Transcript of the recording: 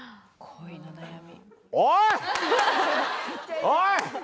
おい！